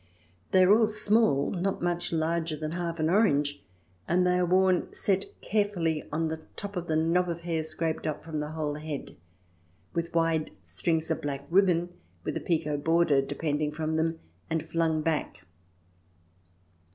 They are all small, not much larger than half an orange, and they are worn set carefully on the top of the knob of hair scraped up from the whole head, with wide strings of black ribbon with a picot border depending from them and flung back.